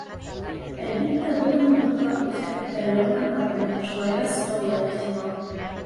Әлбиттә, был уның мотлаҡ өҫкә күтәрелеүен аңлатмай, шулай ҙа сығыуы ла ихтимал.